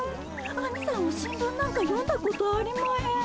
アニさんは新聞なんか読んだことありまへん。